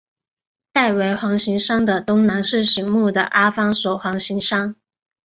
戴维环形山的东南是醒目的阿方索环形山。